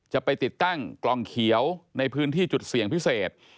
จะไปติดตั้งกล่องเขียวในพื้นที่จุดเสี่ยงพิเศษ